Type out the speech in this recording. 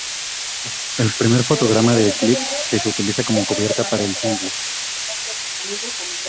El primer fotograma del clip, que se utiliza como cubierta para el single.